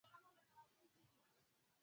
Mtetezi wangu yu hai.